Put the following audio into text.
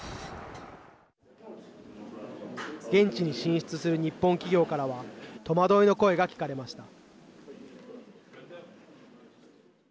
現地に進出する日本企業からは戸惑いの声が聞かれました。